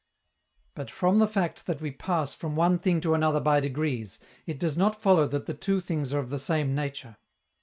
But, from the fact that we pass from one thing to another by degrees, it does not follow that the two things are of the same nature.